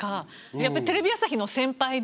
やっぱりテレビ朝日の先輩で。